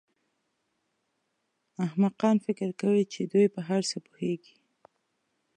احمقان فکر کوي چې دوی په هر څه پوهېږي.